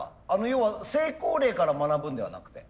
要は成功例から学ぶんではなくて。